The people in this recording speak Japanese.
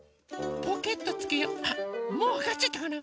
もうわかっちゃったかな？